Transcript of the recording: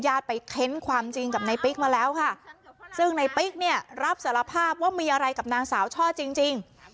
ไปเค้นความจริงกับในปิ๊กมาแล้วค่ะซึ่งในปิ๊กเนี่ยรับสารภาพว่ามีอะไรกับนางสาวช่อจริงจริง